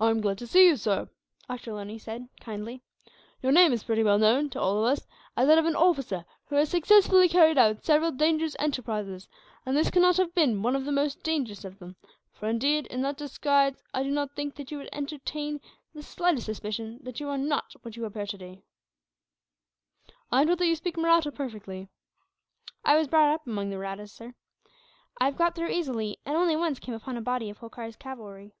"I am glad to see you, sir," Ochterlony said, kindly. "Your name is pretty well known, to all of us, as that of an officer who has successfully carried out several dangerous enterprises; and this cannot have been one of the most dangerous of them, for indeed, in that disguise I do not think that anyone would entertain the slightest suspicion that you are not what you appear to be. "I am told you speak Mahratta perfectly." "I was brought up among the Mahrattas, sir. I have got through easily, and only once came upon a body of Holkar's cavalry."